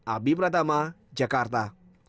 abi pratama jakarta